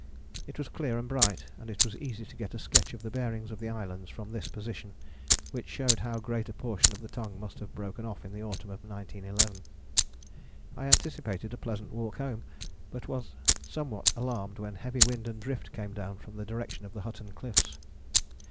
It was clear and bright, and it was easy to get a sketch of the bearings of the islands from this position, which showed how great a portion of the Tongue must have broken off in the autumn of 1911. I anticipated a pleasant walk home, but was somewhat alarmed when heavy wind and drift came down from the direction of the Hutton Cliffs.